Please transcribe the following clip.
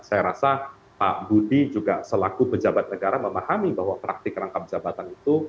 saya rasa pak budi juga selaku pejabat negara memahami bahwa praktik rangkap jabatan itu